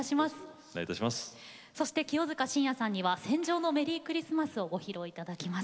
そして清塚信也さんには「戦場のメリークリスマス」をご披露いただきます。